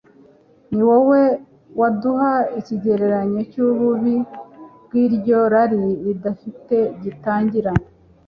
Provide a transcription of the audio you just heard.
ni wo waduha ikigereranyo cy'ububi bw'iryo rari ridafite gitangira